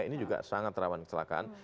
ini juga sangat rawan kecelakaan